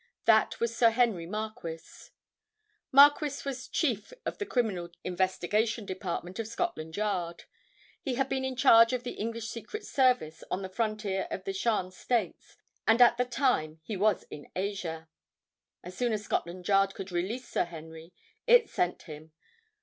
That was Sir Henry Marquis. Marquis was chief of the Criminal Investigation Department of Scotland Yard. He had been in charge of the English secret service on the frontier of the Shan states, and at the time he was in Asia. As soon as Scotland Yard could release Sir Henry, it sent him.